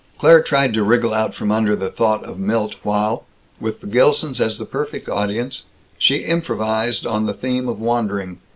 Claire tried to wriggle out from under the thought of Milt while, with the Gilsons as the perfect audience, she improvised on the theme of wandering.